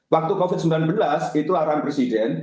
waktu covid sembilan belas itu arahan presiden